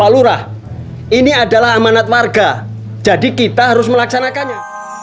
pak lurah ini adalah amanat warga jadi kita harus melaksanakannya